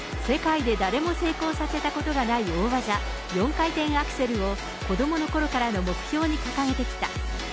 世界で誰も成功させたことがない大技、４回転アクセルを、子どものころからの目標に掲げてきた。